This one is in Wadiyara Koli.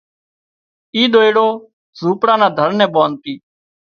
اي ۮوئيڙو زونپڙا نا در نين ٻانڌتي